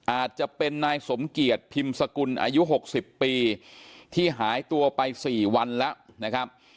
อาจจะเป็นนายสมเกียจพิมพ์สกุลอายุ๖๐ปีที่หายตัวไป๔วันแล้วนะครับ